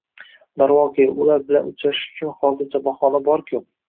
Darvoqe, ular bilan uchrashish uchun hozircha bahona bor-ku